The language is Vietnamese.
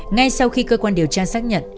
ngay sau khi cơ quan điều tra xác nhận